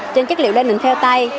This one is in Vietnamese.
trên chất liệu lên đỉnh pheo tay